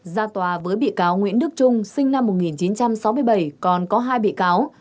ra tòa với bị cáo nguyễn đức trung sinh năm một nghìn chín trăm sáu mươi bảy còn có hai bị cáo